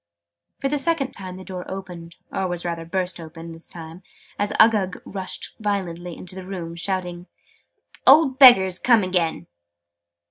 For the second time the door opened or rather was burst open, this time, as Uggug rushed violently into the room, shouting "that old Beggars come again!"